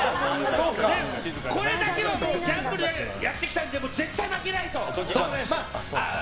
これだけはギャンブルやってきたんで絶対負けないと！